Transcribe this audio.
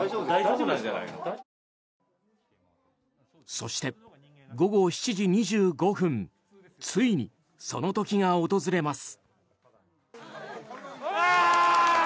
そして午後７時２５分ついにその時が訪れます。